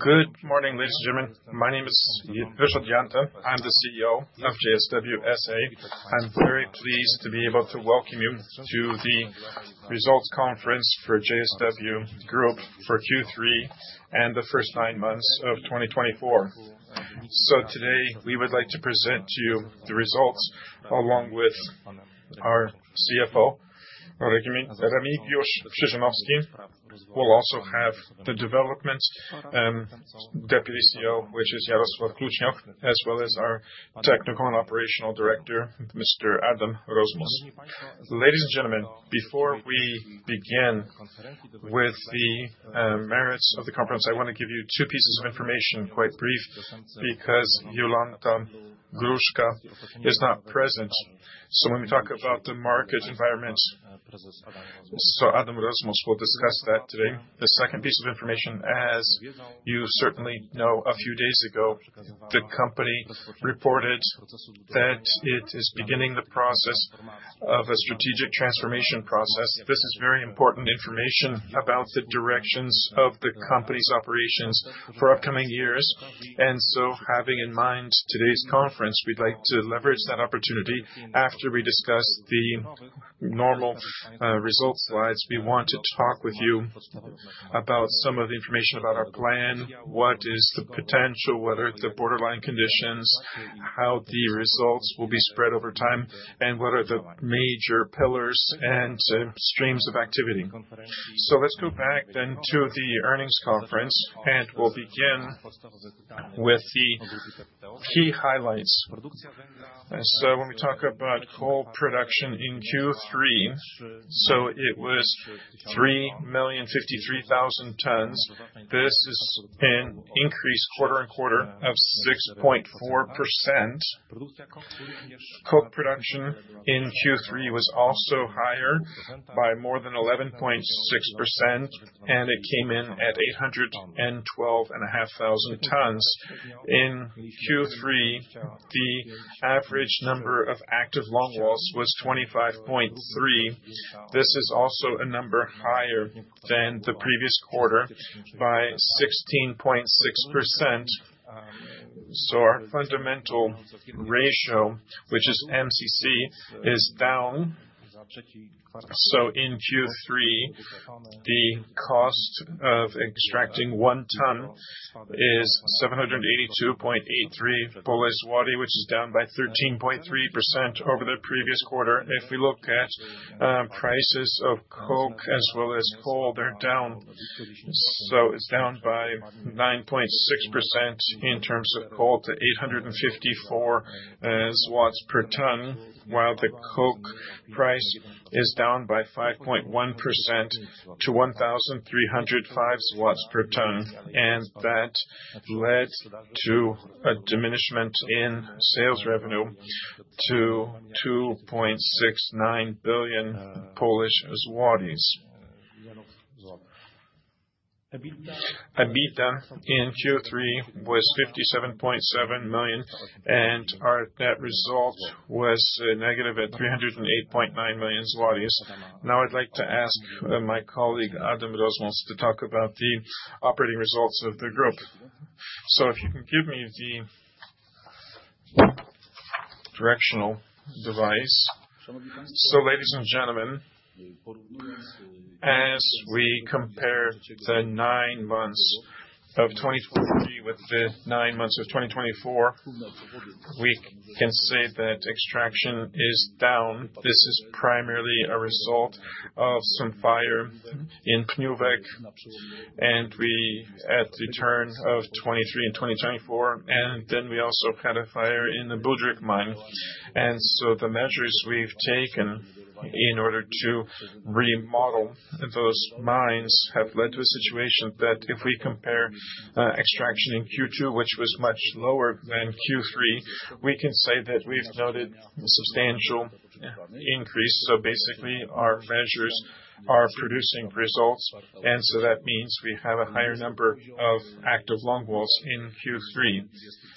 Good morning, ladies and gentlemen. My name is Ryszard Janta. I'm the CEO of JSW S.A. I'm very pleased to be able to welcome you to the Results Conference for JSW Group for Q3 and the first nine months of 2024. So today we would like to present to you the results along with our CFO, Remigiusz Krzyżanowski. We'll also have the development deputy CEO, which is Jarosław Kluczniok, as well as our technical and operational director, Mr. Adam Rozmus. Ladies and gentlemen, before we begin with the merits of the conference, I want to give you two pieces of information, quite brief, because Jolanta Gruszka is not present. So when we talk about the market environment, so Adam Rozmus will discuss that today. The second piece of information, as you certainly know, a few days ago the company reported that it is beginning the process of a strategic transformation process. This is very important information about the directions of the company's operations for upcoming years. And so having in mind today's conference, we'd like to leverage that opportunity after we discuss the normal results slides. We want to talk with you about some of the information about our plan, what is the potential, what are the borderline conditions, how the results will be spread over time, and what are the major pillars and streams of activity. So let's go back then to the earnings conference, and we'll begin with the key highlights. So when we talk about coal production in Q3, so it was 3,053,000 tons. This is an increase quarter and quarter of 6.4%. Coal production in Q3 was also higher by more than 11.6%, and it came in at 812,500 tons. In Q3, the average number of active longwalls was 25.3. This is also a number higher than the previous quarter by 16.6%, so our fundamental ratio, which is MCC, is down, so in Q3, the cost of extracting one ton is 782.83, which is down by 13.3% over the previous quarter. If we look at prices of coke as well as coal, they're down, so it's down by 9.6% in terms of coal to 854 per ton, while the coke price is down by 5.1% to 1,305 per ton, and that led to a diminishment in sales revenue to PLN 2.69 billion. EBITDA in Q3 was 57.7 million, and our net result was negative at 308.9 million zlotys. Now I'd like to ask my colleague Adam Rozmus to talk about the operating results of the group, so if you can give me the directional device, so ladies and gentlemen, as we compare the nine months of 2023 with the nine months of 2024, we can say that extraction is down. This is primarily a result of some fire in Pniówek, and we at the turn of 2023 and 2024, and then we also had a fire in the Budryk mine, and so the measures we've taken in order to remodel those mines have led to a situation that if we compare extraction in Q2, which was much lower than Q3, we can say that we've noted a substantial increase, so basically our measures are producing results, and so that means we have a higher number of active longwalls in Q3.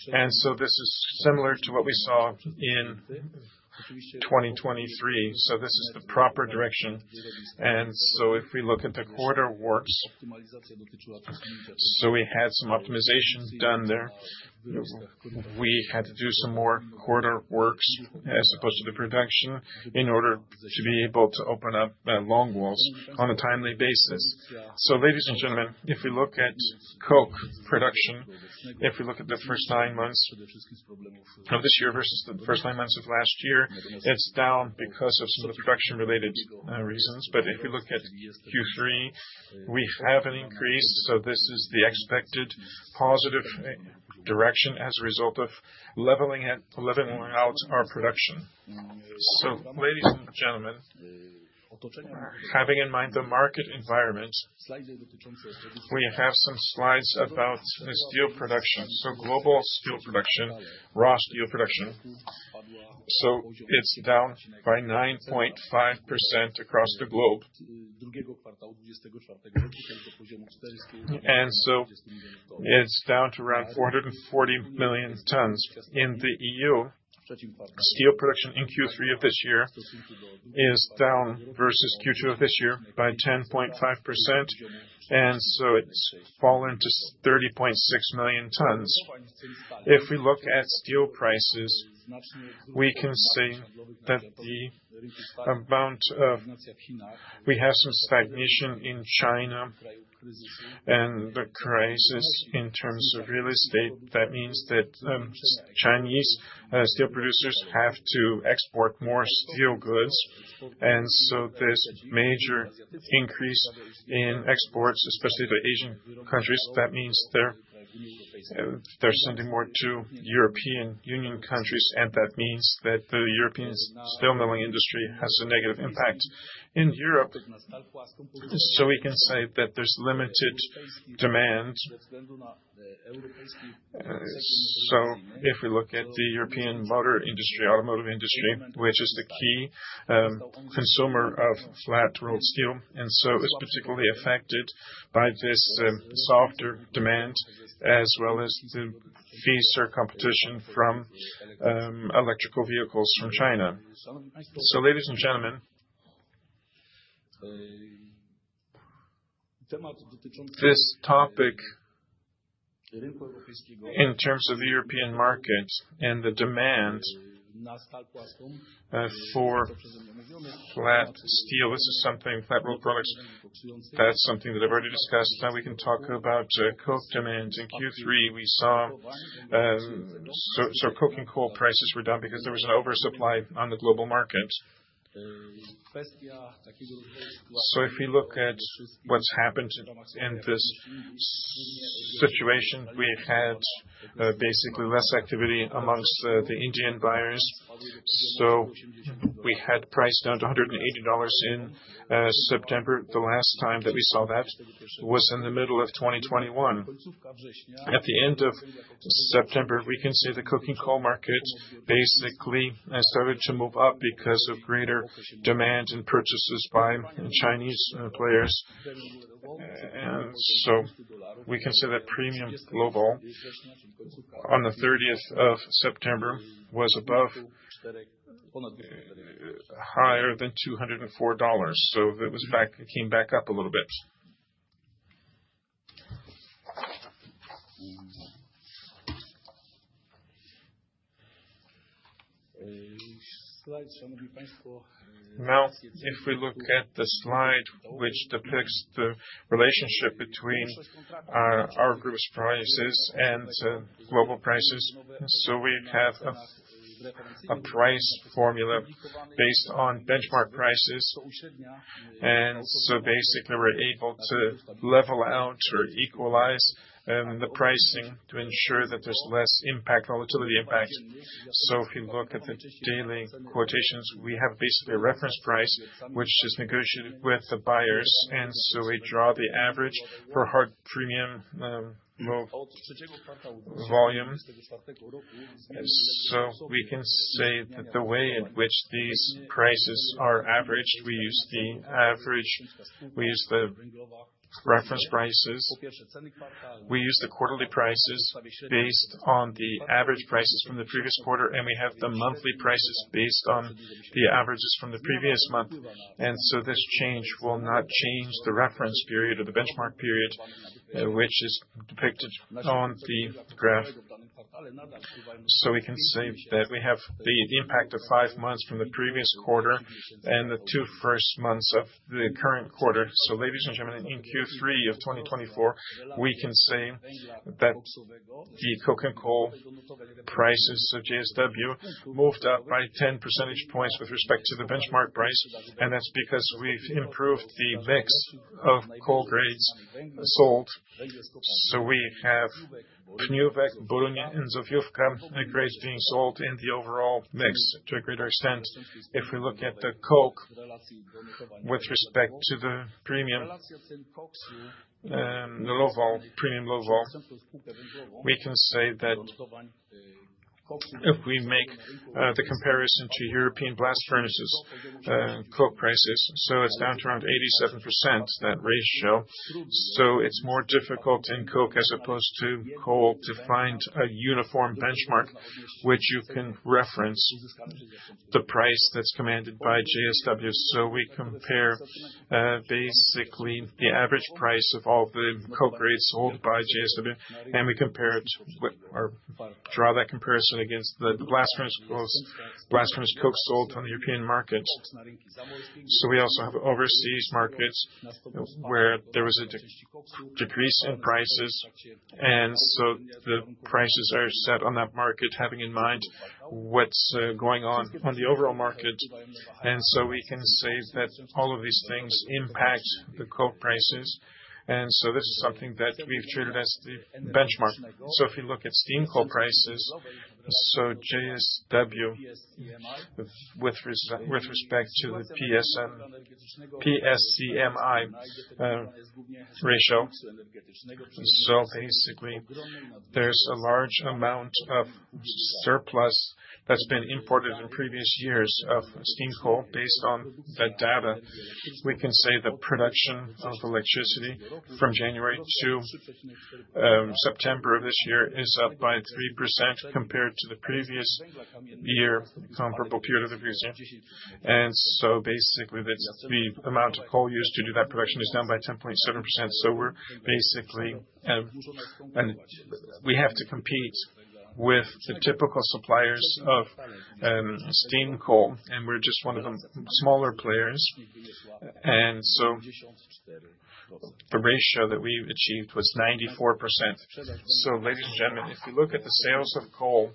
This is similar to what we saw in 2023. This is the proper direction. If we look at the cut-through works, so we had some optimization done there. We had to do some more cut-through works as opposed to the production in order to be able to open up longwalls on a timely basis. Ladies and gentlemen, if we look at coke production, if we look at the first nine months of this year versus the first nine months of last year, it's down because of some of the production-related reasons. If we look at Q3, we have an increase. This is the expected positive direction as a result of leveling out our production. Ladies and gentlemen, having in mind the market environment, we have some slides about steel production. Global steel production, raw steel production, is down by 9.5% across the globe, and it's down to around 440 million tons. In the EU, steel production in Q3 of this year is down versus Q2 of this year by 10.5%, and it's fallen to 30.6 million tons. If we look at steel prices, we can say that we have some stagnation in China and the crisis in terms of real estate. That means that Chinese steel producers have to export more steel goods. This major increase in exports, especially to Asian countries, means they're sending more to European Union countries, and that means that the European steel milling industry has a negative impact in Europe. We can say that there's limited demand. If we look at the European motor industry, automotive industry, which is the key consumer of flat rolled steel, and it's particularly affected by this softer demand as well as the fierce competition from electric vehicles from China. Ladies and gentlemen, this topic in terms of the European market and the demand for flat steel, this is something flat rolled products, that's something that I've already discussed. Now we can talk about coke demand in Q3. We saw, coke and coal prices were down because there was an oversupply on the global market. If we look at what's happened in this situation, we've had basically less activity amongst the Indian buyers. We had price down to $180 in September. The last time that we saw that was in the middle of 2021. At the end of September, we can see the coke and coal market basically started to move up because of greater demand and purchases by Chinese players, and so we can see that premium global on the 30th of September was above higher than $204, so it came back up a little bit. Now, if we look at the slide, which depicts the relationship between our group's prices and global prices, so we have a price formula based on benchmark prices, and so basically we're able to level out or equalize the pricing to ensure that there's less impact, volatility impact, so if you look at the daily quotations, we have basically a reference price, which is negotiated with the buyers, and so we draw the average for hard premium volume. We can say that the way in which these prices are averaged, we use the average, we use the reference prices, we use the quarterly prices based on the average prices from the previous quarter, and we have the monthly prices based on the averages from the previous month. And so this change will not change the reference period or the benchmark period, which is depicted on the graph. We can say that we have the impact of five months from the previous quarter and the two first months of the current quarter. Ladies and gentlemen, in Q3 of 2024, we can say that the coke and coal prices of JSW moved up by 10 percentage points with respect to the benchmark price, and that's because we've improved the mix of coal grades sold. We have Pniówek, Borynia, and Zofiówka grades being sold in the overall mix to a greater extent. If we look at the coke with respect to the Premium Low Vol, we can say that if we make the comparison to European blast furnace coke prices, it's down to around 87% that ratio. It's more difficult in coke as opposed to coal to find a uniform benchmark, which you can reference the price that's commanded by JSW. We compare basically the average price of all the coke grades sold by JSW, and we compare it or draw that comparison against the blast furnace coke sold on the European market. We also have overseas markets where there was a decrease in prices, and so the prices are set on that market, having in mind what's going on on the overall market. We can say that all of these things impact the coke prices. This is something that we've treated as the benchmark. If you look at steam coal prices, so JSW with respect to the PSCMI ratio, so basically there's a large amount of surplus that's been imported in previous years of steam coal based on that data. We can say the production of electricity from January to September of this year is up by 3% compared to the previous year comparable period of the previous year. Basically the amount of coal used to do that production is down by 10.7%. We're basically. We have to compete with the typical suppliers of steam coal, and we're just one of the smaller players. The ratio that we've achieved was 94%. So, ladies and gentlemen, if you look at the sales of coal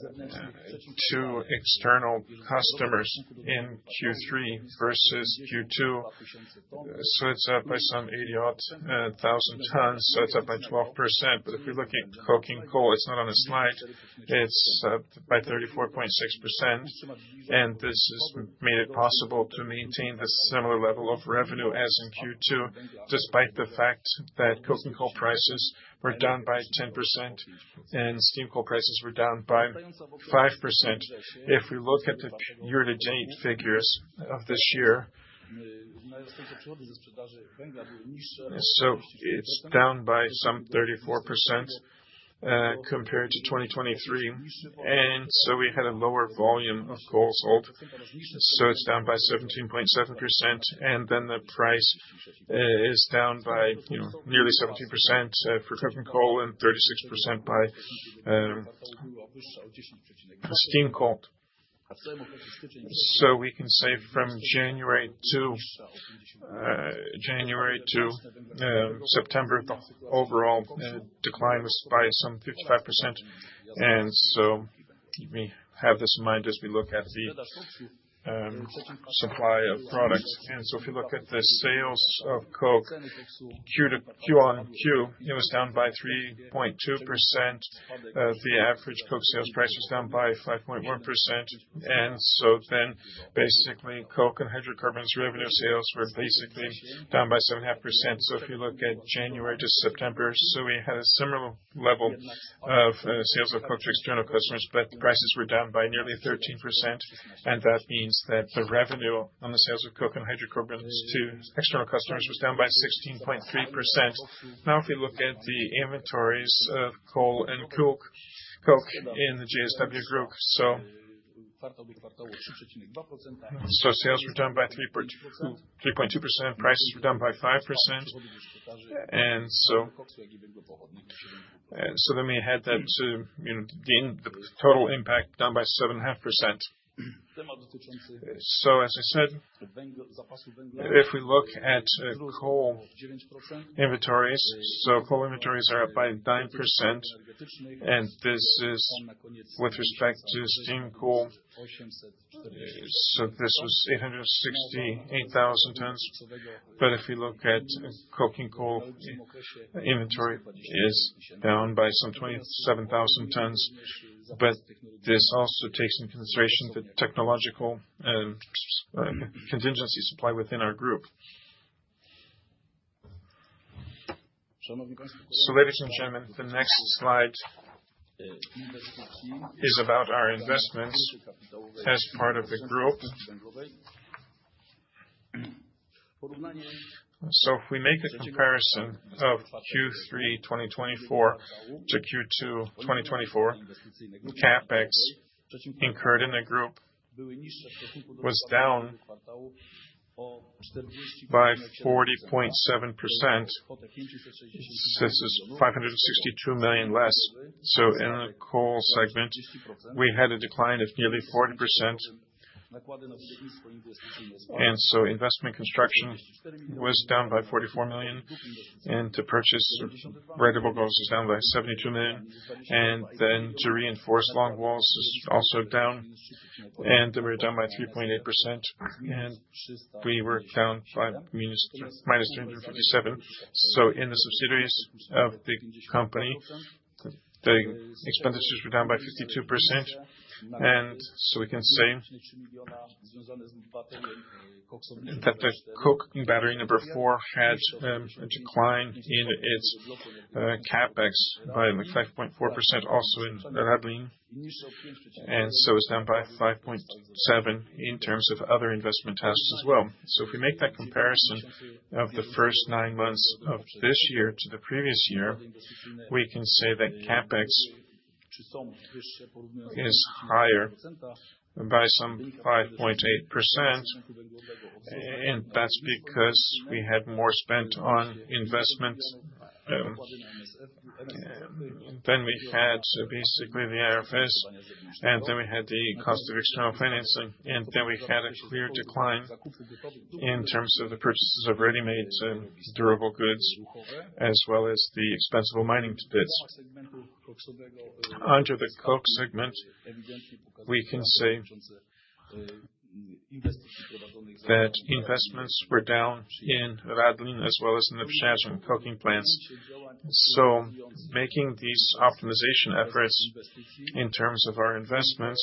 to external customers in Q3 versus Q2, so it's up by some 80,000 tons, so it's up by 12%. But if we look at coke and coal, it's not on a slide. It's up by 34.6%, and this has made it possible to maintain the similar level of revenue as in Q2, despite the fact that coke and coal prices were down by 10% and steam coal prices were down by 5%. If we look at the year-to-date figures of this year, so it's down by some 34% compared to 2023. And so we had a lower volume of coal sold, so it's down by 17.7%. And then the price is down by nearly 17% for coke and coal and 36% by steam coal. So we can say from January to September, the overall decline was by some 55%. And so we have this in mind as we look at the supply of products. And so if you look at the sales of coke Q on Q, it was down by 3.2%. The average coke sales price was down by 5.1%. And so then basically coke and hydrocarbons revenue sales were basically down by 7.5%. So if you look at January to September, so we had a similar level of sales of coke to external customers, but prices were down by nearly 13%. And that means that the revenue on the sales of coke and hydrocarbons to external customers was down by 16.3%. Now if we look at the inventories of coal and coke in the JSW Group, so sales were down by 3.2%, prices were down by 5%. We had that the total impact down by 7.5%. As I said, if we look at coal inventories, coal inventories are up by 9%, and this is with respect to steam coal. This was 868,000 tons. If we look at coke and coal inventory, it is down by some 27,000 tons. This also takes into consideration the technological contingency supply within our group. Ladies and gentlemen, the next slide is about our investments as part of the group. If we make a comparison of Q3 2024 to Q2 2024, the CapEx incurred in the group was down by 40.7%. This is 562 million less. In the coal segment, we had a decline of nearly 40%. Investment construction was down by 44 million, and to purchase variable goals was down by 72 million. And then to reinforce longwalls is also down, and they were down by 3.8%. And we were down by minus 357. So in the subsidiaries of the company, the expenditures were down by 52%. And so we can say that the coke and Battery number four had a decline in its CapEx by 5.4%, also in Radlin. And so it's down by 5.7% in terms of other investment tasks as well. So if we make that comparison of the first nine months of this year to the previous year, we can say that CapEx is higher by some 5.8%. And that's because we had more spent on investment than we had. So basically the IRS, and then we had the cost of external financing. And then we had a clear decline in terms of the purchases of ready-made durable goods as well as the expendable mining bits. Under the coke segment, we can say that investments were down in Radlin as well as in the Przyjaźń coking plants. So making these optimization efforts in terms of our investments,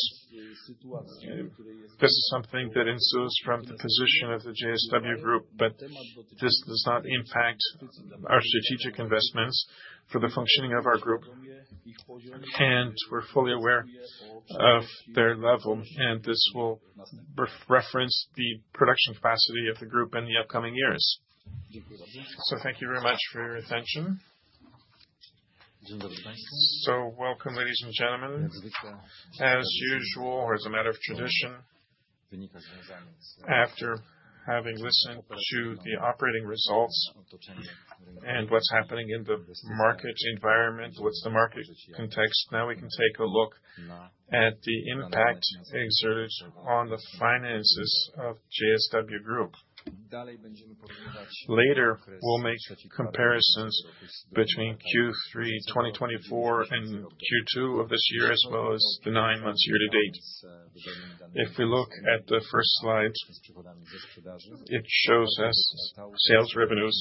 this is something that ensues from the position of the JSW Group, but this does not impact our strategic investments for the functioning of our group. And we're fully aware of their level, and this will reference the production capacity of the group in the upcoming years. So thank you very much for your attention. So welcome, ladies and gentlemen. As usual, or as a matter of tradition, after having listened to the operating results and what's happening in the market environment, what's the market context, now we can take a look at the impact exerted on the finances of JSW Group. Later we'll make comparisons between Q3 2024 and Q2 of this year, as well as the nine months year to date. If we look at the first slide, it shows us sales revenues.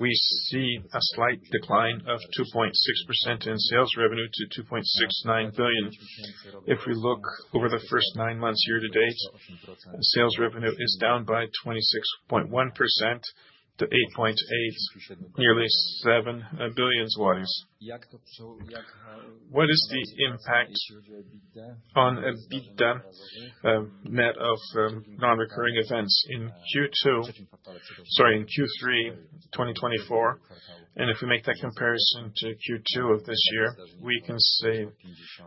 We see a slight decline of 2.6% in sales revenue to 2.69 billion. If we look over the first nine months year to date, sales revenue is down by to 8.8 billion, nearly 7 billion złoty. What is the impact on a net of non-recurring events in Q2, sorry, in Q3 2024? And if we make that comparison to Q2 of this year, we can say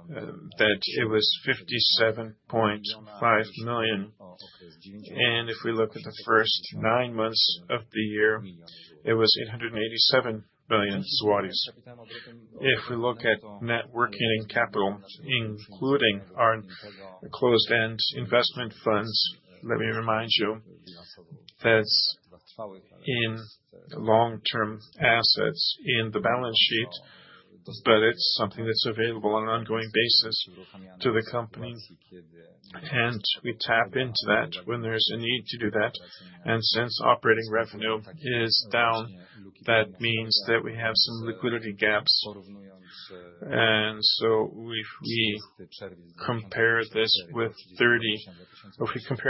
that it was 57.5 million. And if we look at the first nine months of the year, it was 887 million złoty. If we look at Net Working Capital, including our closed-end investment funds, let me remind you that's in long-term assets in the balance sheet, but it's something that's available on an ongoing basis to the company, and we tap into that when there's a need to do that, and since operating revenue is down, that means that we have some liquidity gaps, so if we compare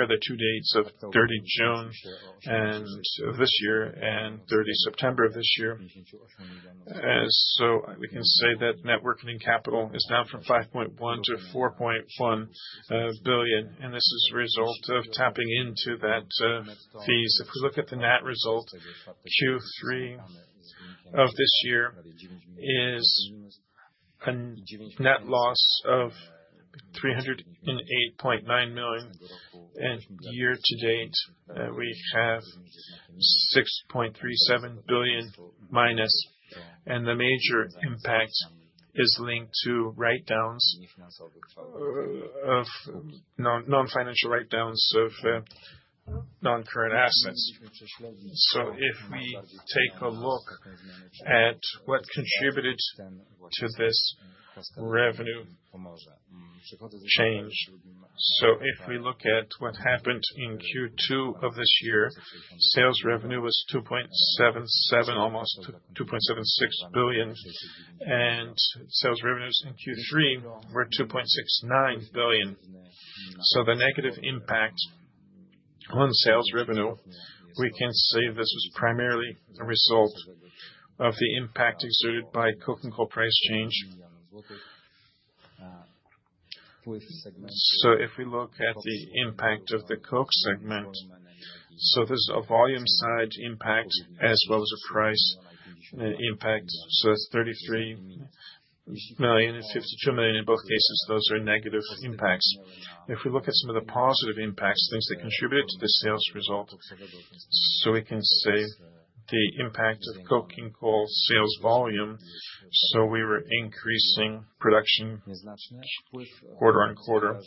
the two dates of 30 June of this year and 30 September of this year, we can say that Net Working Capital is down from 5.1 billion to 4.1 billion, and this is a result of tapping into those funds. If we look at the net result, Q3 of this year is a net loss of 308.9 million. Year to date, we have 6.37 billion minus. The major impact is linked to write-downs of non-financial write-downs of non-current assets. If we take a look at what contributed to this revenue change, if we look at what happened in Q2 of this year, sales revenue was 2.77 billion, almost 2.76 billion. Sales revenues in Q3 were 2.69 billion. The negative impact on sales revenue, we can say this was primarily a result of the impact exerted by coke and coal price change. If we look at the impact of the coke segment, there is a volume-side impact as well as a price impact. That is 33 million and 52 million in both cases. Those are negative impacts. If we look at some of the positive impacts, things that contributed to the sales result, so we can say the impact of coke and coal sales volume, so we were increasing production quarter on quarter,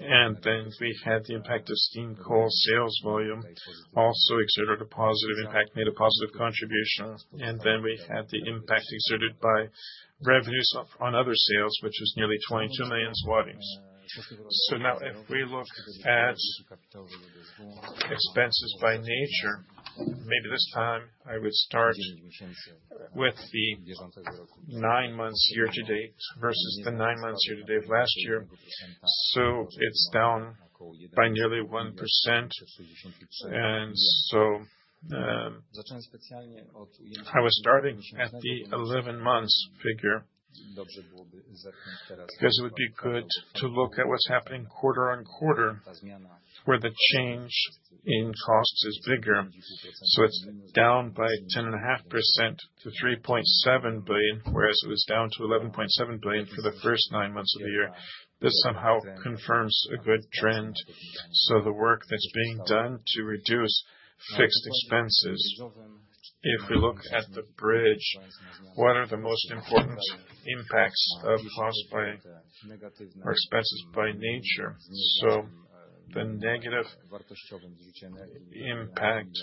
and then we had the impact of steam coal sales volume also exerted a positive impact, made a positive contribution, and then we had the impact exerted by revenues on other sales, which was nearly 22 million PLN. So now if we look at expenses by nature, maybe this time I would start with the nine months year to date versus the nine months year to date last year, so it's down by nearly 1%, and so I was starting at the 11-month figure because it would be good to look at what's happening quarter on quarter where the change in costs is bigger. So it's down by 10.5% to 3.7 billion, whereas it was down to 11.7 billion for the first nine months of the year. This somehow confirms a good trend. So the work that's being done to reduce fixed expenses, if we look at the bridge, what are the most important impacts of cost by or expenses by nature? So the negative impact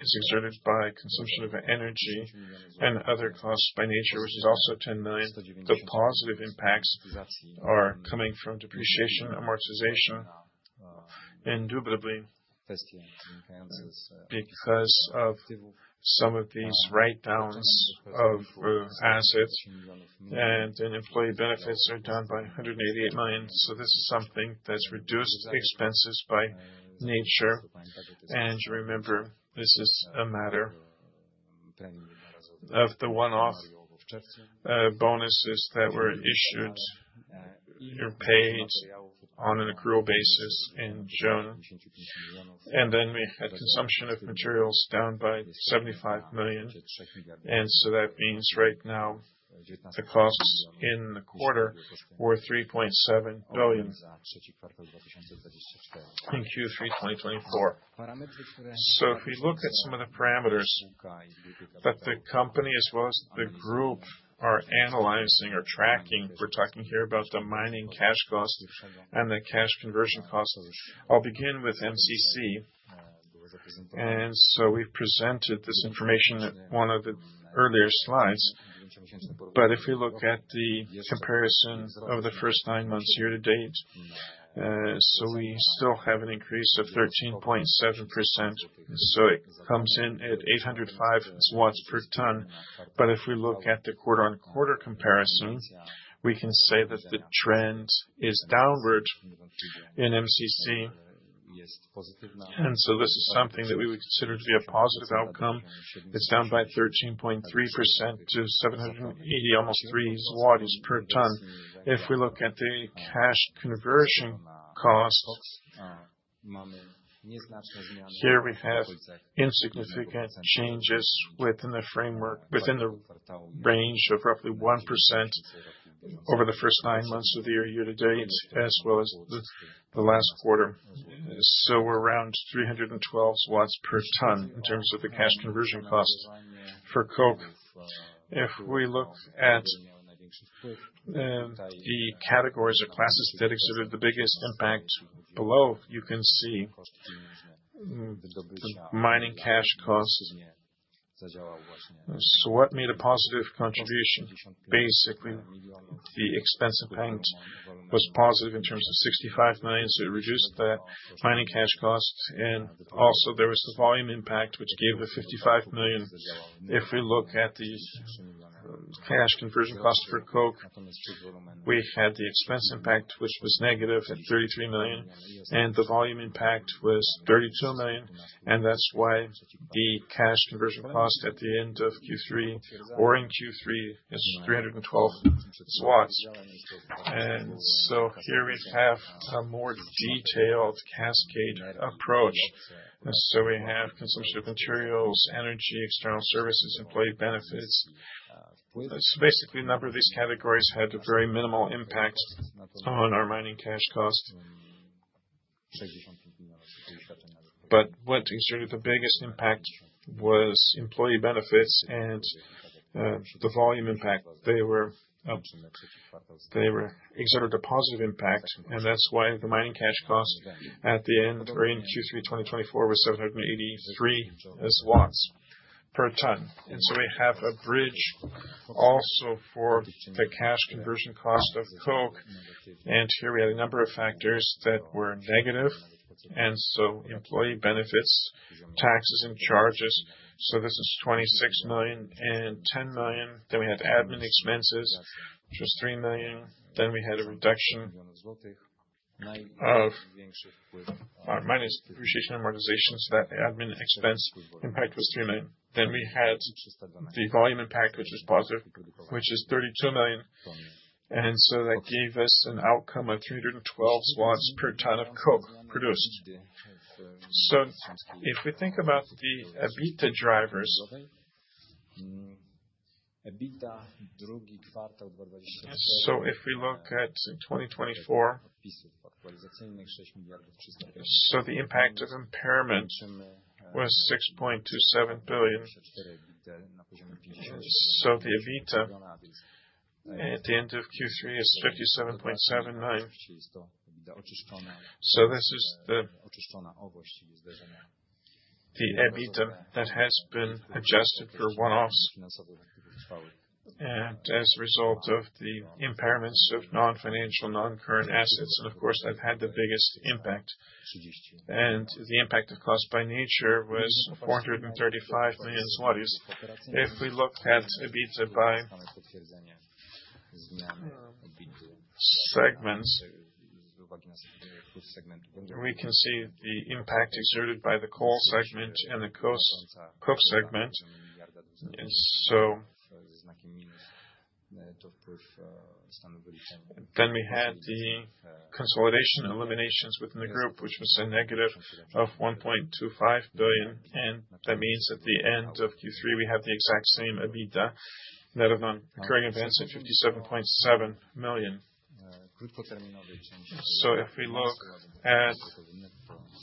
is exerted by consumption of energy and other costs by nature, which is also 10 million. The positive impacts are coming from depreciation, amortization, indubitably because of some of these write-downs of assets. And then employee benefits are down by 188 million. So this is something that's reduced expenses by nature. And you remember this is a matter of the one-off bonuses that were issued or paid on an accrual basis in June. And then we had consumption of materials down by 75 million. That means right now the costs in the quarter were 3.7 billion in Q3 2024. If we look at some of the parameters that the company as well as the group are analyzing or tracking, we're talking here about the mining cash cost and the cash conversion cost. I'll begin with MCC. We've presented this information at one of the earlier slides. If we look at the comparison of the first nine months year to date, we still have an increase of 13.7%. It comes in at 805 per ton. If we look at the quarter-on-quarter comparison, we can say that the trend is downward in MCC. This is something that we would consider to be a positive outcome. It's down by 13.3% to 780, almost 3 złoty per ton. If we look at the cash conversion cost, here we have insignificant changes within the framework, within the range of roughly 1% over the first nine months of the year to date as well as the last quarter, so we're around 312 per ton in terms of the cash conversion cost for coke. If we look at the categories or classes that exerted the biggest impact below, you can see the mining cash cost. So what made a positive contribution? Basically, the expense impact was positive in terms of 65 million, so it reduced the mining cash cost, and also there was the volume impact, which gave a 55 million. If we look at the cash conversion cost for coke, we had the expense impact, which was negative at 33 million, and the volume impact was 32 million. And that's why the cash conversion cost at the end of Q3 or in Q3 is 312. And so here we have a more detailed cascade approach. And so we have consumption of materials, energy, external services, employee benefits. So basically, a number of these categories had a very minimal impact on our mining cash cost. But what exerted the biggest impact was employee benefits and the volume impact. They were exerted a positive impact. And that's why the mining cash cost at the end or in Q3 2024 was 783 per ton. And so we have a bridge also for the cash conversion cost of coke. And here we had a number of factors that were negative. And so employee benefits, taxes, and charges. So this is 26 million and 10 million. Then we had admin expenses, which was 3 million. Then we had a reduction of minus depreciation and amortization. So that admin expense impact was 3 million PLN. Then we had the volume impact, which was positive, which is 32 million PLN. And so that gave us an outcome of 312 PLN per ton of coke produced. So if we think about the EBITDA drivers, so if we look at 2024, so the impact of impairment was 6.27 billion PLN. So the EBITDA at the end of Q3 is 57.79. So this is the EBITDA that has been adjusted for one-offs and as a result of the impairments of non-financial, non-current assets. And of course, that had the biggest impact. And the impact of cost by nature was 435 million zlotys. If we look at EBITDA by segments, we can see the impact exerted by the coal segment and the coke segment. We had the consolidation eliminations within the group, which was a negative 1.25 billion. That means at the end of Q3, we have the exact same EBITDA, net of non-recurring events at 57.7 million. If we look at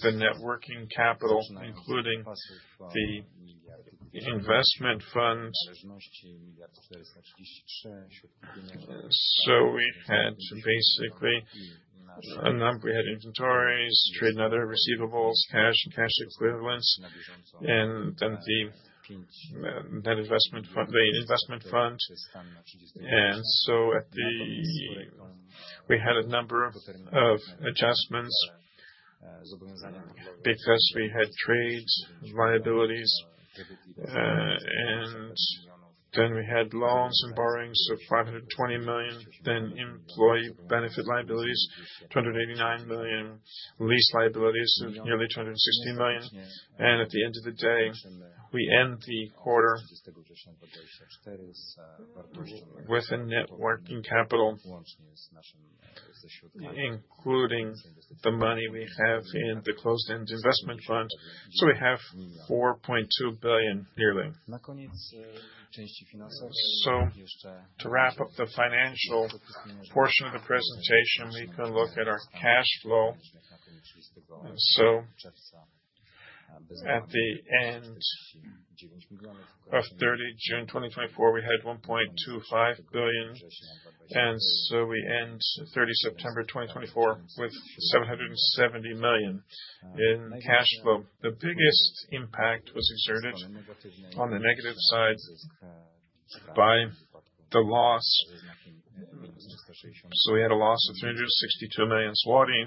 the net working capital, including the investment funds, we had basically a number. We had inventories, trade and other receivables, cash and cash equivalents, and then the investment fund. We had a number of adjustments because we had trade liabilities. Then we had loans and borrowings of 520 million. Then employee benefit liabilities, 289 million, lease liabilities, nearly 260 million. At the end of the day, we end the quarter with a net working capital, including the money we have in the closed-end investment fund. We have 4.2 billion nearly. To wrap up the financial portion of the presentation, we can look at our cash flow. At the end of 30 June 2024, we had 1.25 billion PLN. We end 30 September 2024 with 770 million PLN in cash flow. The biggest impact was exerted on the negative side by the loss. We had a loss of 362 million PLN.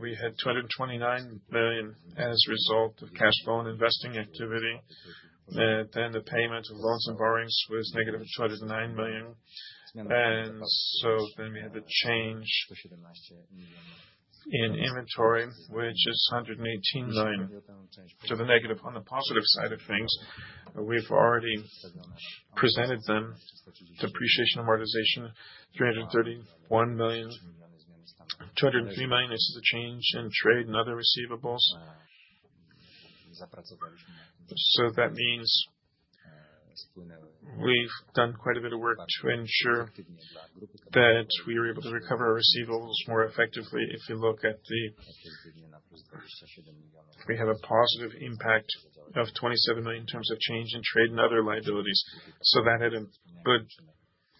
We had 229 million PLN as a result of cash flow and investing activity. The payment of loans and borrowings was negative of 209 million PLN. We had the change in inventory, which is 118 million PLN. The negative on the positive side of things, we've already presented them. Depreciation and amortization, 331 million PLN, 203 million PLN is the change in trade and other receivables. So that means we've done quite a bit of work to ensure that we are able to recover our receivables more effectively. If we look at the, we have a positive impact of 27 million in terms of change in trade and other liabilities. So that had a good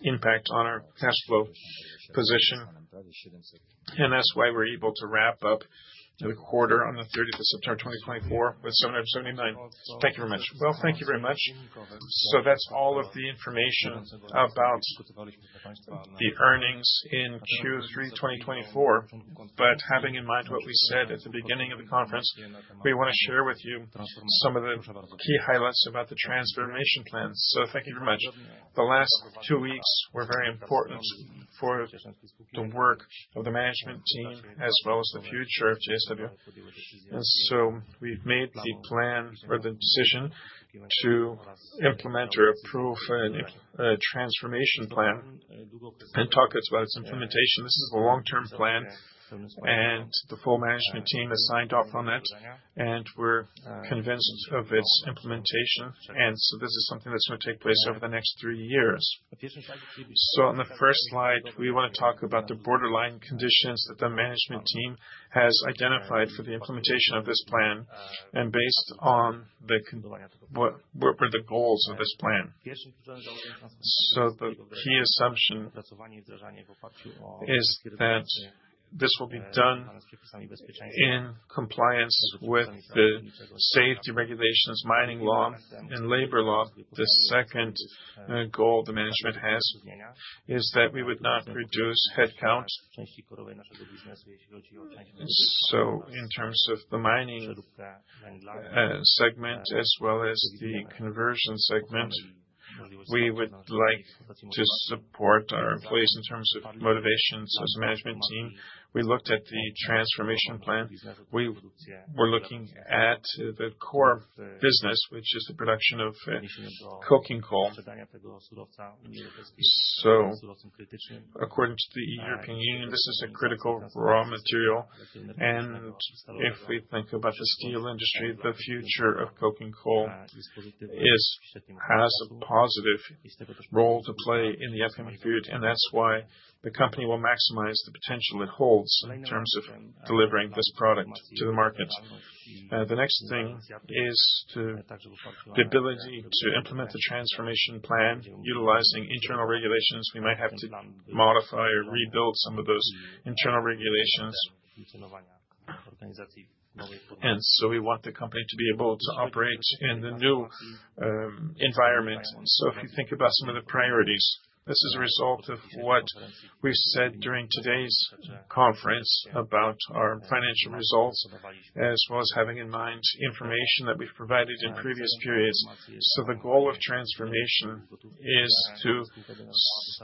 impact on our cash flow position. And that's why we're able to wrap up the quarter on the 30th of September 2024 with 779 million. Thank you very much. Well, thank you very much. So that's all of the information about the earnings in Q3 2024. But having in mind what we said at the beginning of the conference, we want to share with you some of the key highlights about the transformation plan. So thank you very much. The last two weeks were very important for the work of the management team as well as the future of JSW. And so we've made the plan or the decision to implement or approve a transformation plan and talk about its implementation. This is the long-term plan, and the full management team has signed off on it, and we're convinced of its implementation. And so this is something that's going to take place over the next three years. So on the first slide, we want to talk about the borderline conditions that the management team has identified for the implementation of this plan and based on what were the goals of this plan. So the key assumption is that this will be done in compliance with the safety regulations, mining law, and labor law. The second goal the management has is that we would not reduce headcount. So in terms of the mining segment as well as the conversion segment, we would like to support our employees in terms of motivations as a management team. We looked at the transformation plan. We were looking at the core business, which is the production of coking coal. So according to the European Union, this is a critical raw material. And if we think about the steel industry, the future of coking coal has a positive role to play in the upcoming period. And that's why the company will maximize the potential it holds in terms of delivering this product to the market. The next thing is the ability to implement the transformation plan utilizing internal regulations. We might have to modify or rebuild some of those internal regulations. And so we want the company to be able to operate in the new environment. So if you think about some of the priorities, this is a result of what we've said during today's conference about our financial results, as well as having in mind information that we've provided in previous periods. So the goal of transformation is to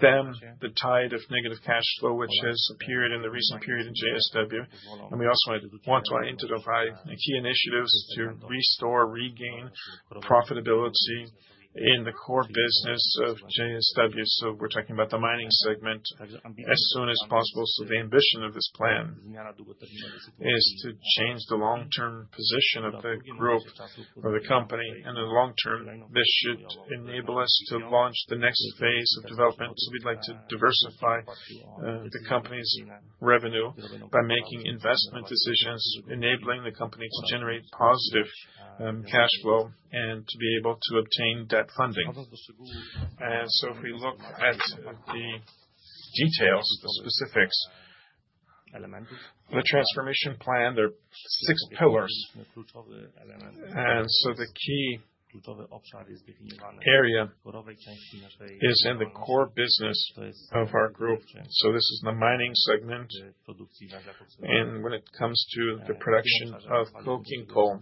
stem the tide of negative cash flow, which has appeared in the recent period in JSW. And we also want to identify key initiatives to restore, regain profitability in the core business of JSW. So we're talking about the mining segment as soon as possible. So the ambition of this plan is to change the long-term position of the group or the company. And in the long term, this should enable us to launch the next phase of development. So we'd like to diversify the company's revenue by making investment decisions, enabling the company to generate positive cash flow and to be able to obtain debt funding. And so if we look at the details, the specifics, the transformation plan, there are six pillars. And so the key area is in the core business of our group. So this is the mining segment. And when it comes to the production of coking coal,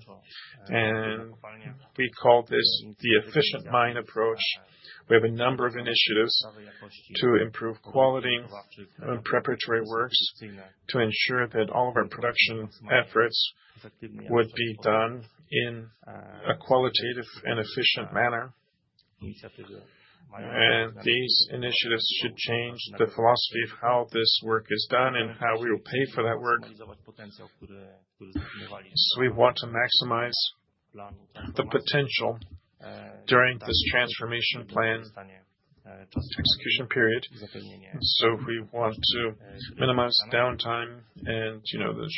we call this the efficient mine approach. We have a number of initiatives to improve quality and preparatory works to ensure that all of our production efforts would be done in a qualitative and efficient manner. And these initiatives should change the philosophy of how this work is done and how we will pay for that work. So we want to maximize the potential during this transformation plan execution period. We want to minimize downtime and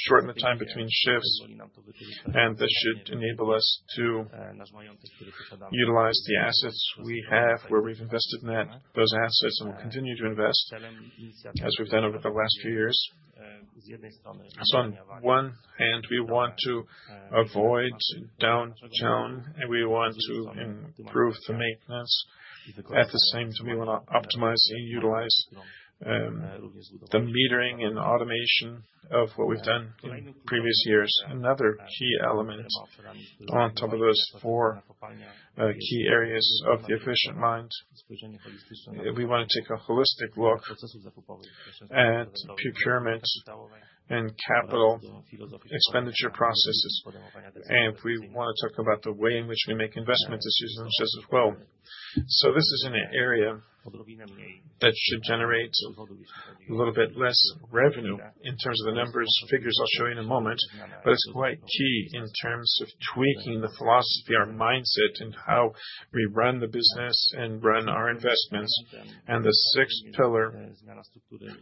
shorten the time between shifts. And this should enable us to utilize the assets we have where we've invested in those assets and will continue to invest as we've done over the last few years. So on one hand, we want to avoid downtime, and we want to improve the maintenance. At the same time, we want to optimize and utilize the metering and automation of what we've done in previous years. Another key element on top of those four key areas of the efficient mine, we want to take a holistic look at procurement and capital expenditure processes. And we want to talk about the way in which we make investment decisions as well. So this is an area that should generate a little bit less revenue in terms of the numbers figures I'll show you in a moment, but it's quite key in terms of tweaking the philosophy, our mindset, and how we run the business and run our investments. And the sixth pillar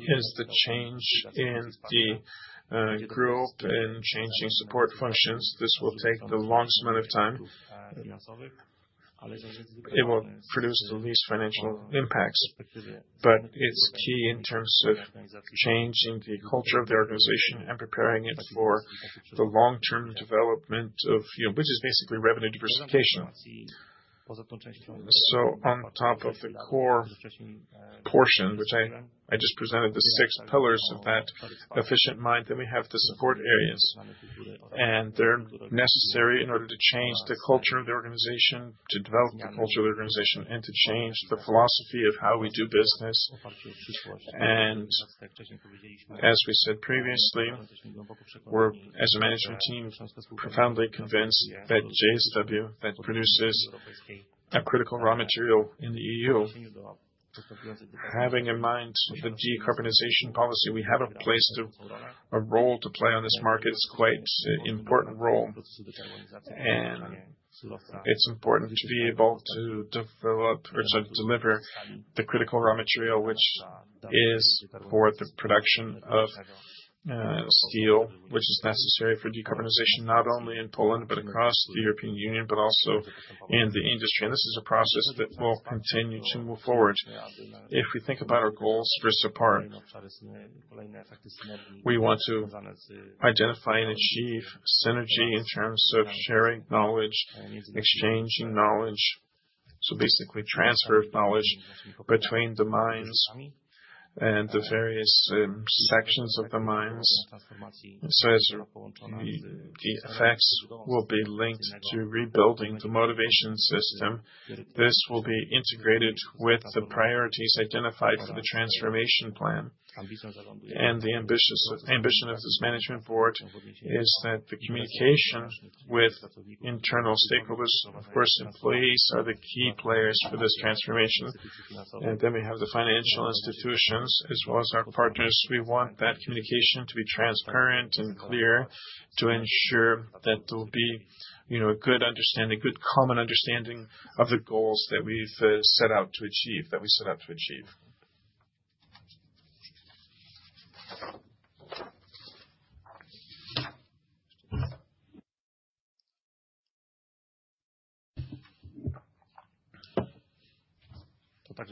is the change in the group and changing support functions. This will take the longest amount of time. It will produce the least financial impacts, but it's key in terms of changing the culture of the organization and preparing it for the long-term development of, which is basically revenue diversification. So on top of the core portion, which I just presented, the six pillars of that efficient mine, then we have the support areas. They're necessary in order to change the culture of the organization, to develop the culture of the organization, and to change the philosophy of how we do business. As we said previously, we're, as a management team, profoundly convinced that JSW that produces a critical raw material in the EU, having in mind the decarbonization policy, we have a place, a role to play on this market. It's quite an important role. It's important to be able to develop or to deliver the critical raw material, which is for the production of steel, which is necessary for decarbonization, not only in Poland, but across the European Union, but also in the industry. This is a process that will continue to move forward. If we think about our goals for Sapar, we want to identify and achieve synergy in terms of sharing knowledge, exchanging knowledge, so basically transfer of knowledge between the mines and the various sections of the mines, so as the effects will be linked to rebuilding the motivation system, this will be integrated with the priorities identified for the transformation plan, and the ambition of this management board is that the communication with internal stakeholders, of course, employees are the key players for this transformation, and then we have the financial institutions as well as our partners. We want that communication to be transparent and clear to ensure that there will be a good understanding, good common understanding of the goals that we've set out to achieve, that we set out to achieve. In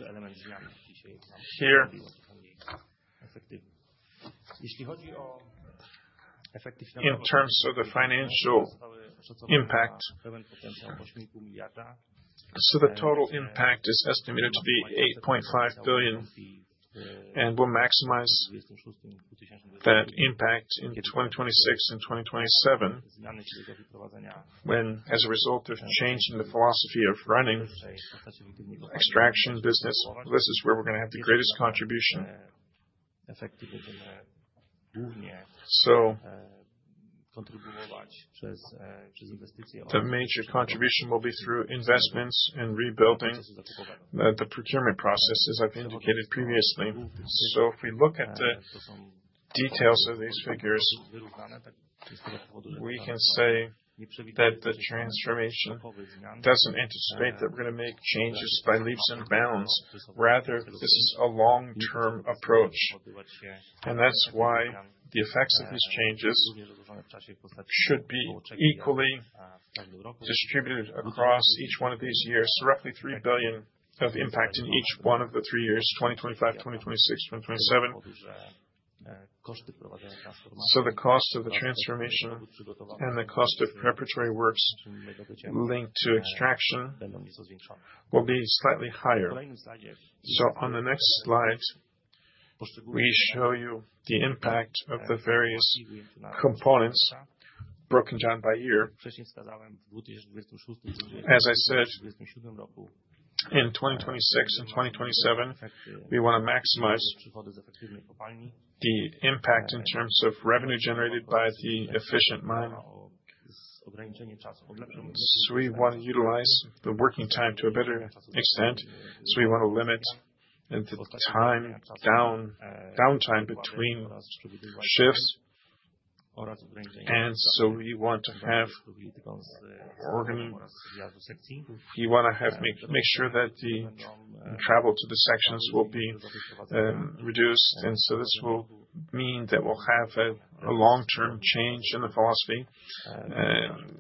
terms of the financial impact, so the total impact is estimated to be 8.5 billion. We'll maximize that impact in 2026 and 2027 when, as a result of changing the philosophy of running extraction business, this is where we're going to have the greatest contribution. So the major contribution will be through investments and rebuilding the procurement process, as I've indicated previously. So if we look at the details of these figures, we can say that the transformation doesn't anticipate that we're going to make changes by leaps and bounds. Rather, this is a long-term approach. And that's why the effects of these changes should be equally distributed across each one of these years. So roughly 3 billion of impact in each one of the three years, 2025, 2026, 2027. So the cost of the transformation and the cost of preparatory works linked to extraction will be slightly higher. So on the next slide, we show you the impact of the various components broken down by year. As I said, in 2026 and 2027, we want to maximize the impact in terms of revenue generated by the efficient mine. So we want to utilize the working time to a better extent. So we want to limit the downtime between shifts. And so we want to have organized. We want to make sure that the travel to the sections will be reduced. And so this will mean that we'll have a long-term change in the philosophy.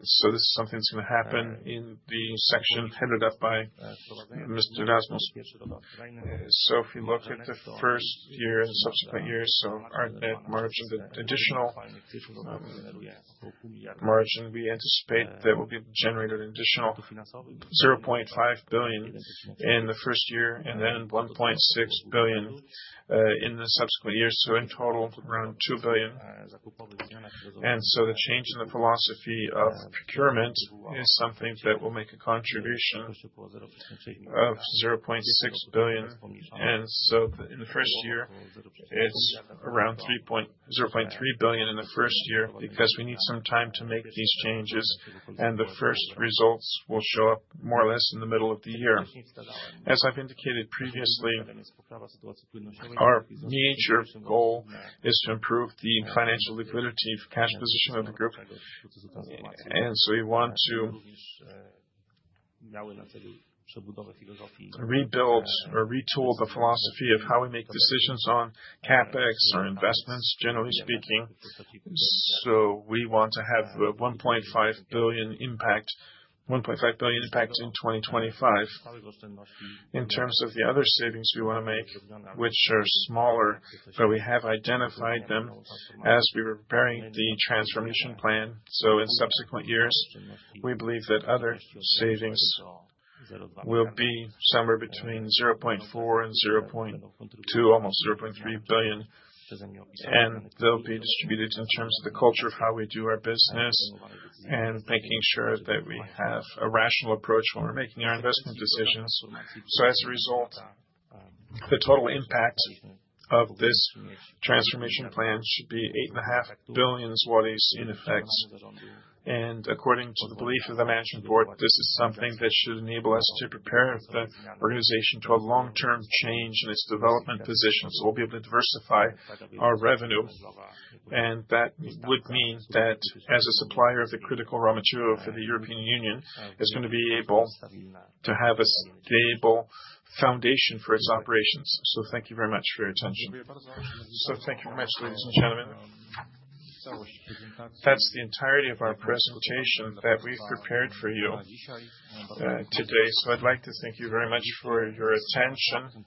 So this is something that's going to happen in the section headed up by Mr. Rozmus. If we look at the first year and subsequent years of our net margin, the additional margin we anticipate that will be generated an additional 0.5 billion in the first year and then 1.6 billion in the subsequent years. In total, around 2 billion. The change in the philosophy of procurement is something that will make a contribution of 0.6 billion. In the first year, it's around 0.3 billion in the first year because we need some time to make these changes. The first results will show up more or less in the middle of the year. As I've indicated previously, our major goal is to improve the financial liquidity of cash position of the group. We want to rebuild or retool the philosophy of how we make decisions on CapEx or investments, generally speaking. So we want to have a 1.5 billion impact in 2025. In terms of the other savings we want to make, which are smaller, but we have identified them as we were preparing the transformation plan. So in subsequent years, we believe that other savings will be somewhere between 0.4 billion and 0.2 billion, almost 0.3 billion. And they'll be distributed in terms of the culture of how we do our business and making sure that we have a rational approach when we're making our investment decisions. So as a result, the total impact of this transformation plan should be 8.5 billion zlotys in effect. And according to the belief of the management board, this is something that should enable us to prepare the organization to a long-term change in its development position. So we'll be able to diversify our revenue. And that would mean that as a supplier of the critical raw material for the European Union, it's going to be able to have a stable foundation for its operations. So thank you very much for your attention. So thank you very much, ladies and gentlemen. That's the entirety of our presentation that we've prepared for you today. So I'd like to thank you very much for your attention.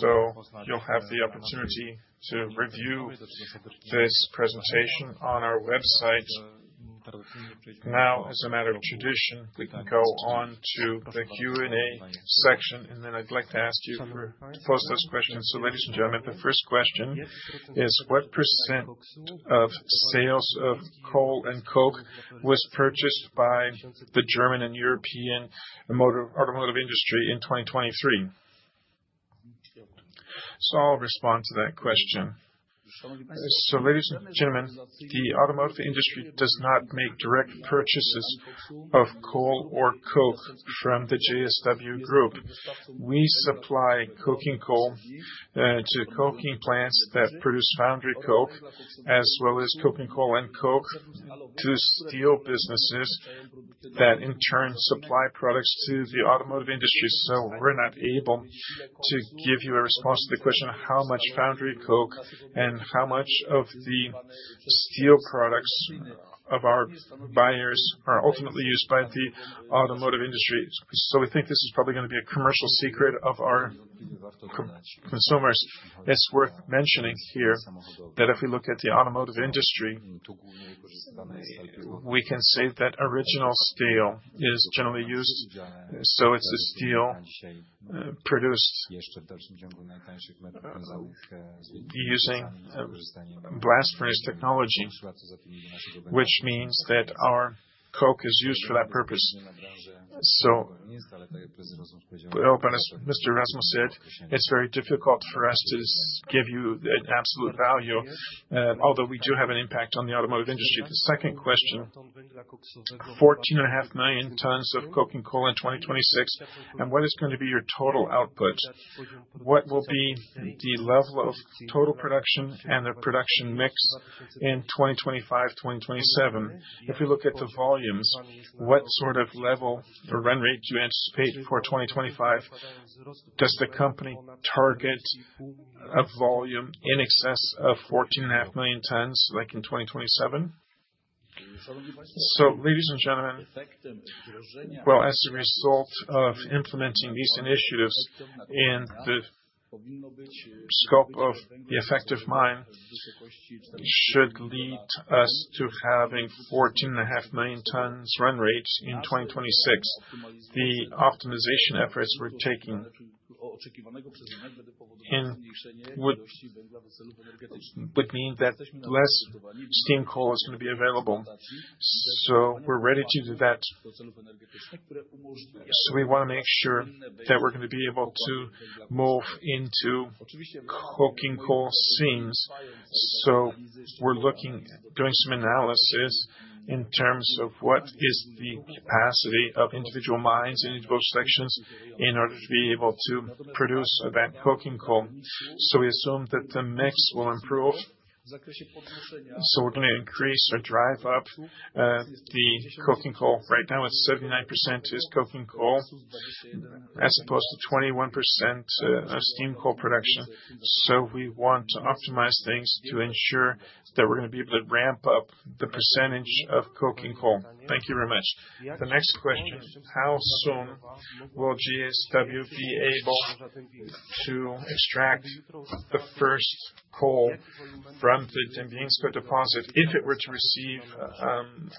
So you'll have the opportunity to review this presentation on our website. Now, as a matter of tradition, we can go on to the Q&A section. And then I'd like to ask you to post those questions. So ladies and gentlemen, the first question is, what percentage of sales of coal and coke was purchased by the German and European automotive industry in 2023? So I'll respond to that question. So ladies and gentlemen, the automotive industry does not make direct purchases of coal or coke from the JSW Group. We supply coking coal to coking plants that produce foundry coke, as well as coking coal and coke to steel businesses that in turn supply products to the automotive industry. So we're not able to give you a response to the question of how much foundry coke and how much of the steel products of our buyers are ultimately used by the automotive industry. So we think this is probably going to be a commercial secret of our consumers. It's worth mentioning here that if we look at the automotive industry, we can say that original steel is generally used. So it's the steel produced using blast furnace technology, which means that our coke is used for that purpose. So as Mr. Rozmus said, it's very difficult for us to give you an absolute value, although we do have an impact on the automotive industry. The second question, 14.5 million tons of coking coal in 2026. And what is going to be your total output? What will be the level of total production and the production mix in 2025, 2027? If we look at the volumes, what sort of level or run rate do you anticipate for 2025? Does the company target a volume in excess of 14.5 million tons like in 2027? So ladies and gentlemen, well, as a result of implementing these initiatives in the scope of the effective mine, should lead us to having 14.5 million tons run rate in 2026. The optimization efforts we're taking would mean that less steam coal is going to be available. So we're ready to do that. So we want to make sure that we're going to be able to move into coking coal seams. So we're looking, doing some analysis in terms of what is the capacity of individual mines in both sections in order to be able to produce that coking coal. So we assume that the mix will improve. So we're going to increase or drive up the coking coal. Right now, it's 79% is coking coal as opposed to 21% steam coal production. So we want to optimize things to ensure that we're going to be able to ramp up the percentage of coking coal. Thank you very much. The next question, how soon will JSW be able to extract the first coal from the Dębieńsko deposit if it were to receive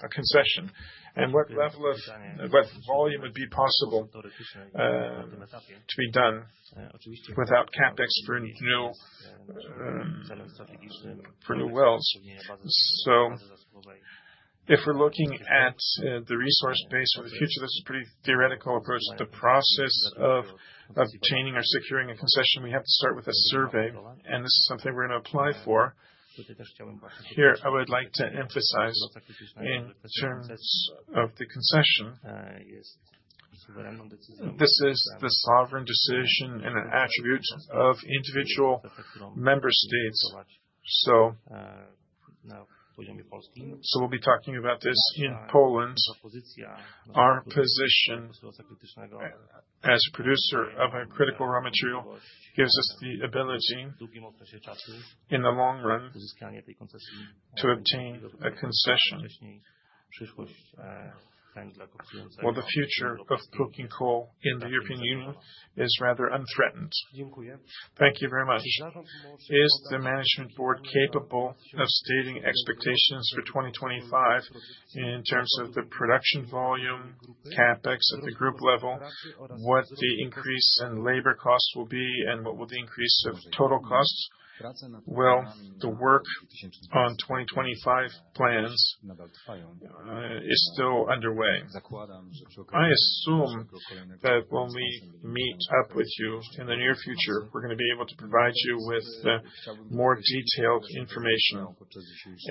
a concession? And what level of what volume would be possible to be done without CapEx for new wells? If we're looking at the resource base for the future, this is a pretty theoretical approach. The process of obtaining or securing a concession, we have to start with a survey. This is something we're going to apply for. Here, I would like to emphasize in terms of the concession. This is the sovereign decision and an attribute of individual member states. We'll be talking about this in Poland. Our position as a producer of a critical raw material gives us the ability in the long run to obtain a concession. The future of coking coal in the European Union is rather unthreatened. Thank you very much. Is the management board capable of stating expectations for 2025 in terms of the production volume, CapEx at the group level, what the increase in labor costs will be, and what will the increase of total costs? The work on 2025 plans is still underway. I assume that when we meet up with you in the near future, we're going to be able to provide you with more detailed information.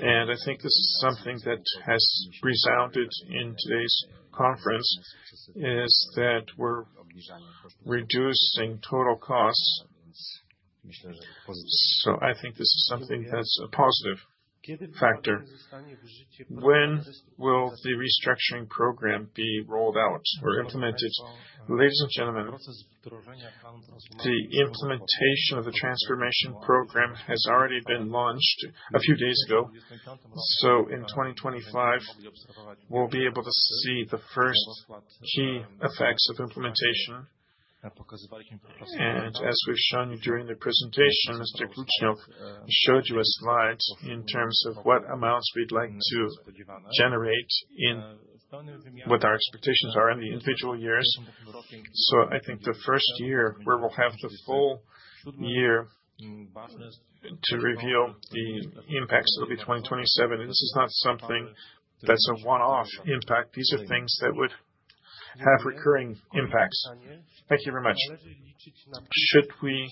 I think this is something that has resounded in today's conference, is that we're reducing total costs. I think this is something that's a positive factor. When will the restructuring program be rolled out or implemented? Ladies and gentlemen, the implementation of the transformation program has already been launched a few days ago. In 2025, we'll be able to see the first key effects of implementation. As we've shown you during the presentation, Mr. Krzyżanowski showed you a slide in terms of what amounts we'd like to generate with our expectations are in the individual years. I think the first year where we'll have the full year to reveal the impacts will be 2027. This is not something that's a one-off impact. These are things that would have recurring impacts. Thank you very much. Should we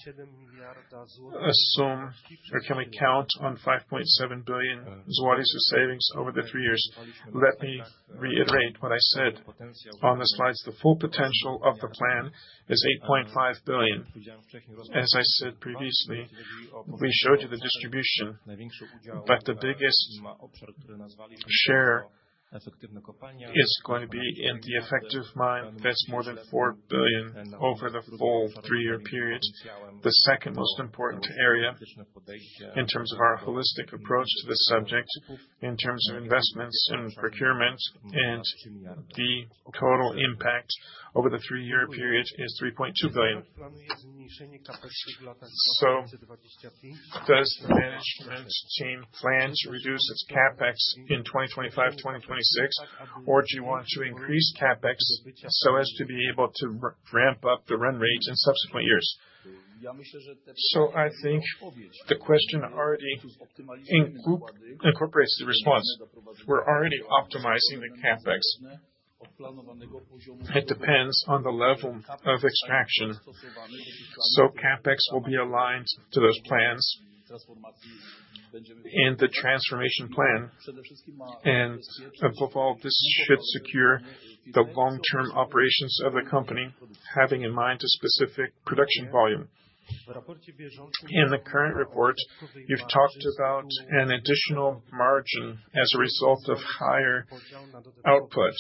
assume or can we count on 5.7 billion of savings over the three years? Let me reiterate what I said on the slides. The full potential of the plan is 8.5 billion. As I said previously, we showed you the distribution, but the biggest share is going to be in the effective mine. That's more than 4 billion over the full three-year period. The second most important area in terms of our holistic approach to the subject, in terms of investments and procurement and the total impact over the three-year period, is 3.2 billion. Does the management team plan to reduce its CapEx in 2025, 2026, or do you want to increase CapEx so as to be able to ramp up the run rate in subsequent years? So I think the question already incorporates the response. We're already optimizing the CapEx. It depends on the level of extraction. So CapEx will be aligned to those plans and the transformation plan. And above all, this should secure the long-term operations of the company, having in mind a specific production volume. In the current report, you've talked about an additional margin as a result of higher output.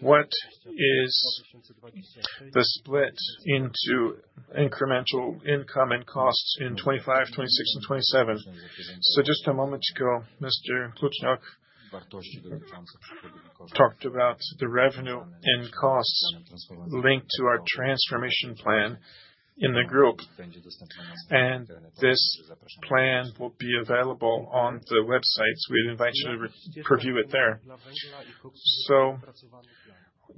What is the split into incremental income and costs in 2025, 2026, and 2027? So just a moment ago, Mr. Krzyżanowski talked about the revenue and costs linked to our transformation plan in the group. And this plan will be available on the website. We'd invite you to review it there. So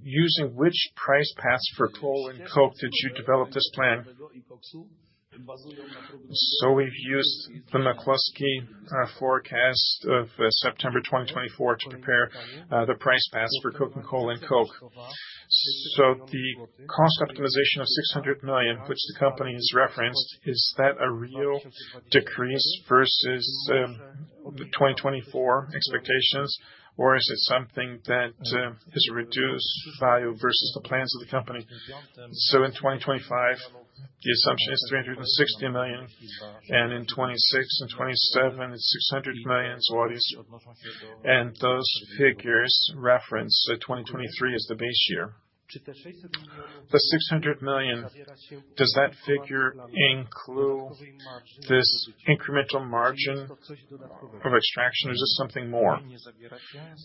using which price paths for coal and coke did you develop this plan? So we've used the McCloskey forecast of September 2024 to prepare the price paths for coking coal and coke. So the cost optimization of 600 million, which the company has referenced, is that a real decrease versus the 2024 expectations, or is it something that is a reduced value versus the plans of the company? So in 2025, the assumption is 360 million, and in 2026 and 2027, it's 600 million. And those figures reference 2023 as the base year. The 600 million, does that figure include this incremental margin of extraction, or is it something more?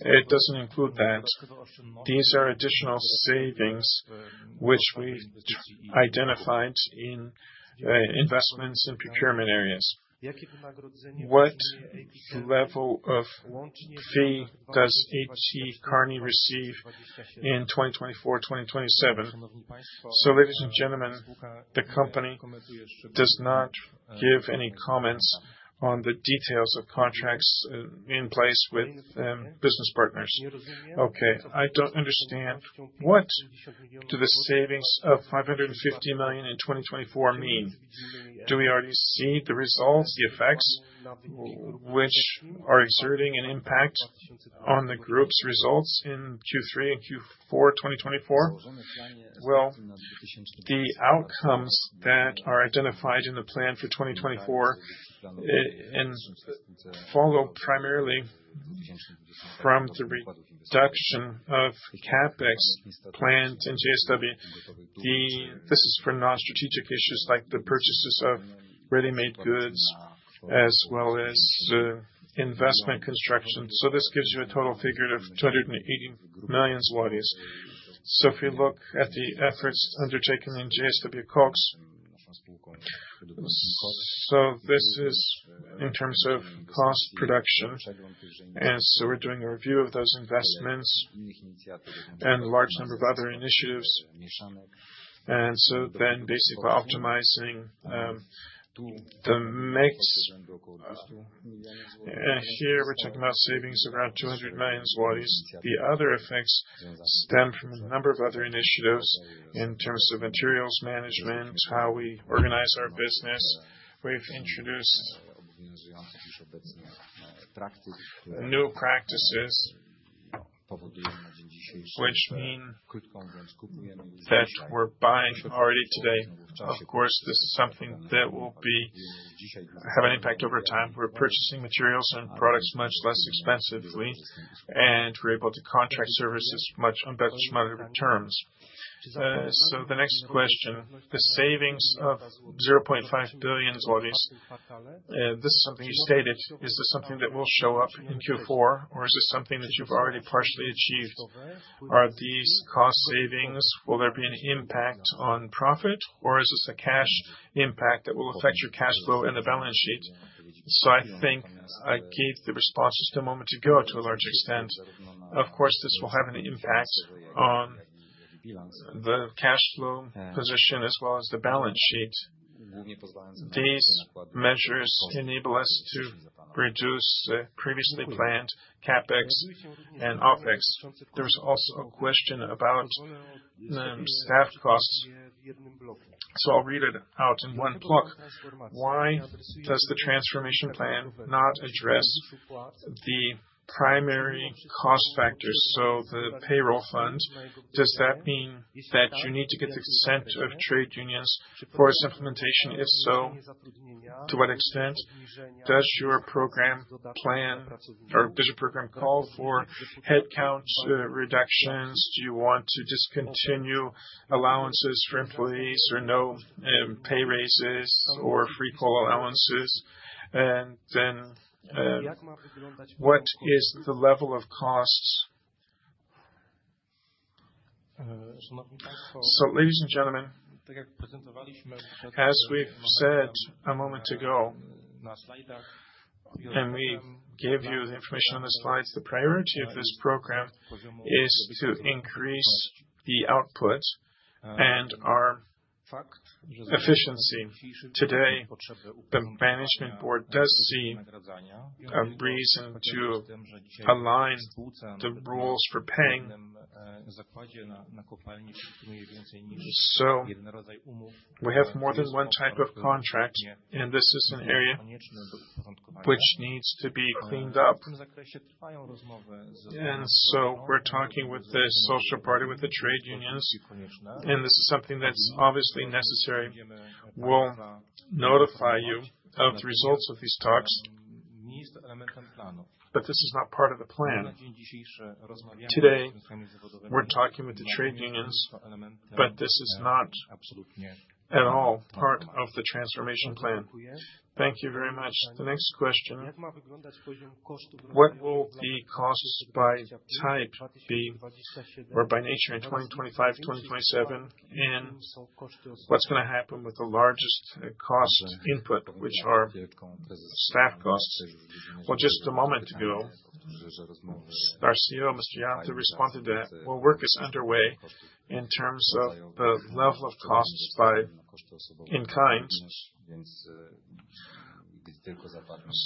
It doesn't include that. These are additional savings, which we identified in investments and procurement areas. What level of fee does A.T. Kearney receive in 2024-2027? Ladies and gentlemen, the company does not give any comments on the details of contracts in place with business partners. Okay, I don't understand. What do the savings of 550 million PLN in 2024 mean? Do we already see the results, the effects, which are exerting an impact on the group's results in Q3 and Q4 2024? The outcomes that are identified in the plan for 2024 follow primarily from the reduction of CapEx planned in JSW. This is for non-strategic issues like the purchases of ready-made goods as well as investment construction. This gives you a total figure of 280 million zlotys. If we look at the efforts undertaken in JSW Koks, so this is in terms of cost production. And so we're doing a review of those investments and a large number of other initiatives. And so then basically optimizing the mix. Here we're talking about savings of around 200 million zlotys. The other effects stem from a number of other initiatives in terms of materials management, how we organize our business. We've introduced new practices, which mean that we're buying already today. Of course, this is something that will have an impact over time. We're purchasing materials and products much less expensively, and we're able to contract services much on better, smarter terms. The next question, the savings of 0.5 billion zlotys, this is something you stated. Is this something that will show up in Q4, or is this something that you've already partially achieved? Are these cost savings, will there be an impact on profit, or is this a cash impact that will affect your cash flow and the balance sheet? I think I gave the responses to a moment ago to a large extent. Of course, this will have an impact on the cash flow position as well as the balance sheet. These measures enable us to reduce the previously planned CapEx and OpEx. There was also a question about staff costs. So I'll read it out in one block. Why does the transformation plan not address the primary cost factors? So the payroll fund, does that mean that you need to get the consent of trade unions for its implementation? If so, to what extent does your program plan or does your program call for headcount reductions? Do you want to discontinue allowances for employees or no pay raises or free coal allowances? And then what is the level of costs? So ladies and gentlemen, as we've said a moment ago, and we gave you the information on the slides, the priority of this program is to increase the output and our efficiency. Today, the management board does see a reason to align the rules for paying, so we have more than one type of contract, and this is an area which needs to be cleaned up, and so we're talking with the social partners, with the trade unions, and this is something that's obviously necessary. We'll notify you of the results of these talks, but this is not part of the plan. Today, we're talking with the trade unions, but this is not at all part of the transformation plan. Thank you very much. The next question, what will the costs by type be or by nature in 2025, 2027, and what's going to happen with the largest cost input, which are staff costs? Well, just a moment ago, our CEO, Mr. Janta, responded that work is underway in terms of the level of costs by kind.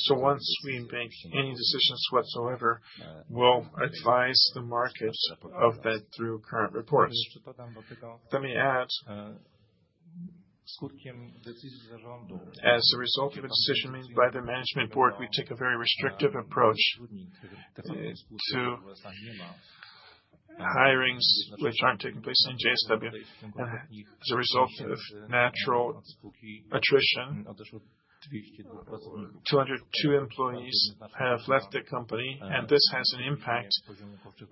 So once we make any decisions whatsoever, we'll advise the market of that through current reports. Let me add, as a result of a decision made by the management board, we take a very restrictive approach to hirings, which aren't taking place in JSW as a result of natural attrition. 202 employees have left the company, and this has an impact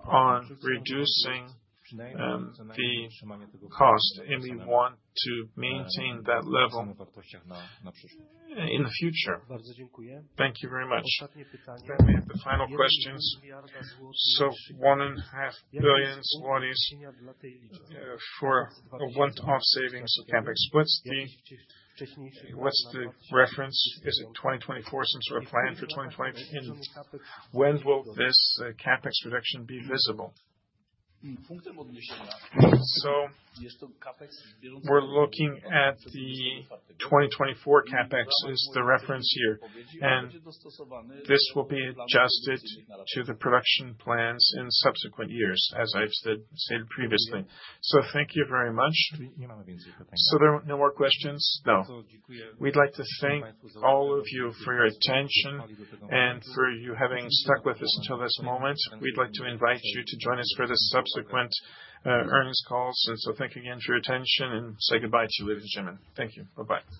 on reducing the cost, and we want to maintain that level in the future. Thank you very much. Let me have the final questions. So 1.5 billion for a one-off savings of CapEx. What's the reference? Is it 2024 since we're planning for 2025? And when will this CapEx reduction be visible? So we're looking at the 2024 CapEx as the reference here, and this will be adjusted to the production plans in subsequent years, as I've stated previously. So thank you very much. So there are no more questions? No. We'd like to thank all of you for your attention and for you having stuck with us until this moment. We'd like to invite you to join us for the subsequent earnings calls. And so thank you again for your attention and say goodbye to you, ladies and gentlemen. Thank you. Bye-bye.